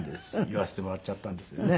言わせてもらっちゃったんですよね。